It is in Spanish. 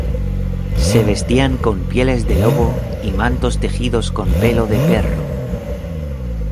Se vestían con pieles de lobo y mantos tejidos con pelo de perro.